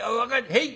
へい